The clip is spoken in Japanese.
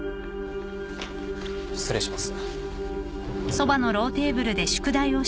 失礼します。